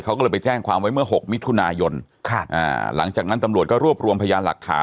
เขาก็เลยไปแจ้งความไว้เมื่อ๖มิถุนายนหลังจากนั้นตำรวจก็รวบรวมพยานหลักฐาน